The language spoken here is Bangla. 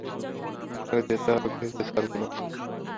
আপনাকে যেতেই হবে, কিছুতেই ছাড়ব না।